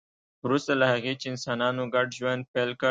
وروسته له هغه چې انسانانو ګډ ژوند پیل کړ